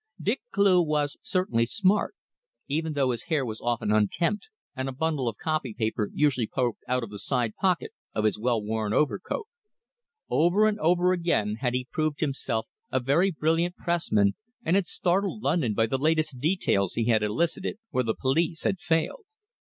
Dick Cleugh was certainly smart, even though his hair was often unkempt and a bundle of copy paper usually poked out of the side pocket of his well worn overcoat. Over and over again had he proved himself a very brilliant pressman and had startled London by the "latest details" he had elicited where the police had failed.